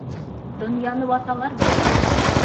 Донъяны ваталар бит!